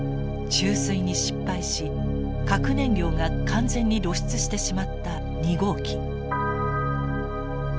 注水に失敗し核燃料が完全に露出してしまった２号機。